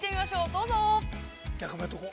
どうぞ。